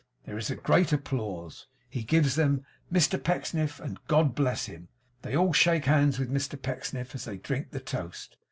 There is great applause. He gives them 'Mr Pecksniff, and God bless him!' They all shake hands with Mr Pecksniff, as they drink the toast.